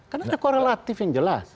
kan ada korelatif yang jelas